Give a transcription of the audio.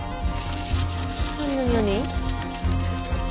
何何何？